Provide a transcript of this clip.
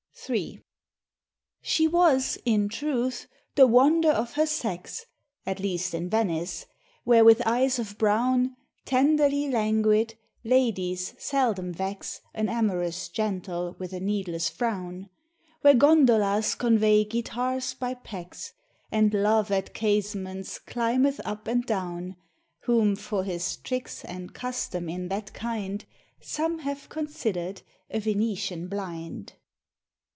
III. She was, in truth, the wonder of her sex, At least in Venice where with eyes of brown Tenderly languid, ladies seldom vex An amorous gentle with a needless frown; Where gondolas convey guitars by pecks, And Love at casements climbeth up and down, Whom for his tricks and custom in that kind, Some have considered a Venetian blind.